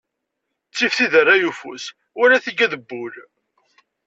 Ttif tiderray ufus, wala tigad n wul.